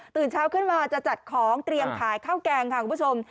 เช้าขึ้นมาจะจัดของเตรียมขายข้าวแกงค่ะคุณผู้ชม